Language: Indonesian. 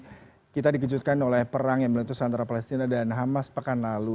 ya kita dikejutkan oleh perang yang meletus antara palestina dan hamas pekan lalu